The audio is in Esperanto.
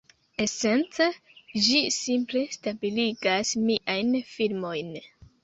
Esence ĝi simple stabiligas miajn filmojn.